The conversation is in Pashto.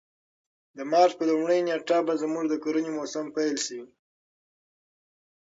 د مارچ په لومړۍ نېټه به زموږ د کرنې موسم پیل شي.